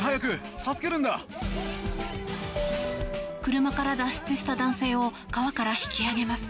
車から脱出した男性を川から引き揚げます。